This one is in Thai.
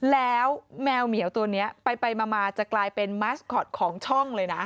แล้วแมวเหมียวตัวนี้ไปมาจะกลายเป็นมาสคอตของช่องเลยนะ